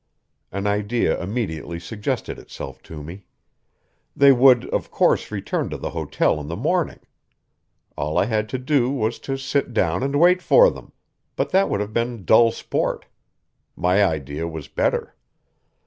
An idea immediately suggested itself to me. They would, of course, return to the hotel in the morning. All I had to do was to sit down and wait for them; but that would have been dull sport. My idea was better.